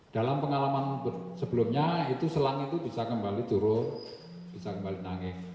dalam pengalaman sebelumnya itu selang itu bisa kembali turun bisa kembali nangis